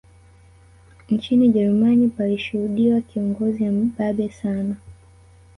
Nchini Ujerumani palishuhudiwa kiongozi mbabe sana